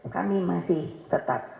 kami masih tetap